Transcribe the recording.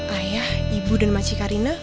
ayah ibu dan maci karina